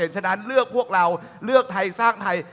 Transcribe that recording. ฉะนั้นเลือกพวกเราเลือกไทยสร้างไทย